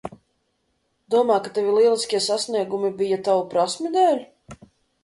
Domā, ka tavi lieliskie sasniegumi bija tavu prasmju dēļ?